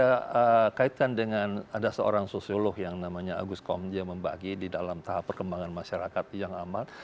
nah kalau teologi saya kaitkan dengan ada seorang sosiolog yang namanya agus komja membagi di dalam tahap perkembangan masyarakat yang amal